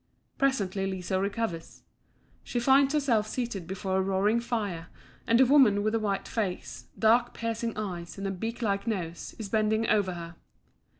Presently Liso recovers. She finds herself seated before a roaring fire; and a woman with a white face, dark, piercing eyes, and a beak like nose, is bending over her.